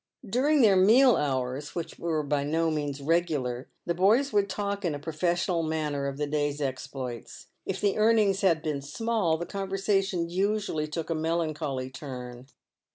During their meal hours, which were by no means regular, the boys would talk in a professional manner of the day's exploits. If the earnings had been small, the conversation usually took a melan choly turn.